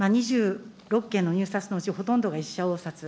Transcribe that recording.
２６件の入札のうちほとんどが１社応札。